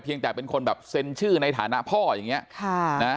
ยังแต่เป็นคนแบบเซ็นชื่อในฐานะพ่ออย่างนี้ค่ะนะ